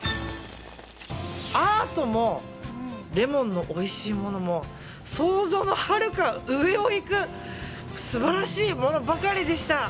アートもレモンのおいしいものも想像のはるか上を行く素晴らしいものばかりでした。